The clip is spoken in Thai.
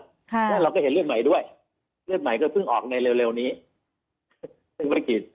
แล้วเราก็เห็นเลือดใหม่ด้วยเลือดใหม่ก็เพิ่งออกในเร็วนี้ซึ่งภารกิจ